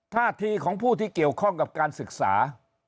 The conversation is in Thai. ท่าทีของผู้ที่เกี่ยวข้องกับการศึกษา